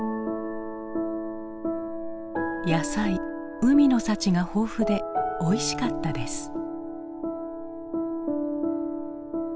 「野菜海の幸が豊富でおいしかったです」。